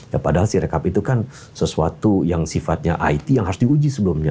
ya padahal si rekap itu kan sesuatu yang sifatnya it yang harus diuji sebelumnya